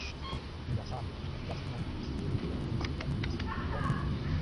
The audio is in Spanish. John Cleese y Graham Chapman se conocieron en la Universidad de Cambridge.